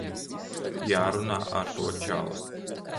Jārunā ar to čali.